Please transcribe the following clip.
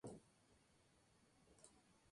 La propagación siempre ha sido difícil.